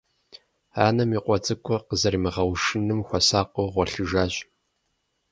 Анэм и къуэ цӀыкӀур къызэримыгъэушыным хуэсакъыу гъуэлъыжащ.